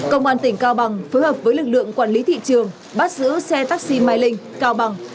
công an tỉnh cao bằng phối hợp với lực lượng quản lý thị trường bắt giữ xe taxi mai linh cao bằng